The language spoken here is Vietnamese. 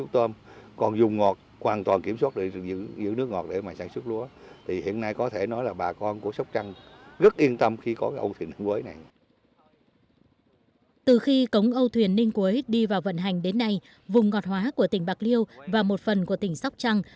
từ khi cống âu thuyền ninh quế đi vào vận hành đến nay vùng ngọt hóa của tỉnh bạc liêu và một phần của tỉnh sóc trăng